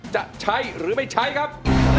จะใช้หรือไม่ใช้ครับ